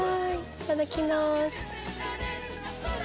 いただきます。